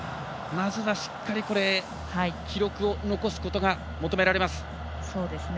まずはしっかり記録を残すことが求められます。